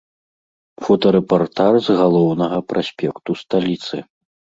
Фотарэпартаж з галоўнага праспекту сталіцы.